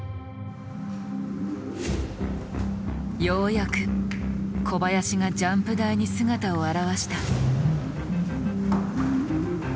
ようやく小林がジャンプ台に姿を現した。